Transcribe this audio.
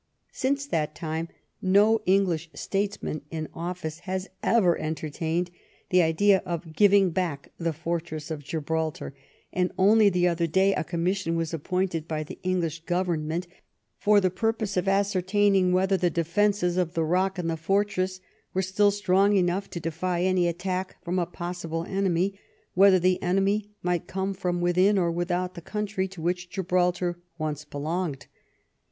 Since that time no English statesman in office has ever entertained the idea of giving back the fortress of Gibraltar, and only the other day a commission was appointed by the English government for the purpose of ascertaining whether the defences of the rock and the fortress were still strong enough to defy any attack from a possible enemy, whether the enemy might come from within or without the country to which Gibraltar once belonged.